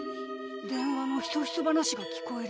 電話のひそひそ話が聞こえる。